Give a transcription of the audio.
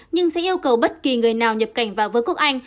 nhưng sẽ yêu cầu bất kỳ người nào nhập cảnh vào vương quốc anh